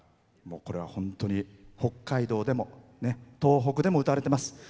これは本当に北海道でも東北でも歌われています。